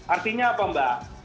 artinya apa mbak